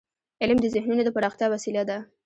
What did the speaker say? علم د ذهنونو د پراختیا وسیله ده.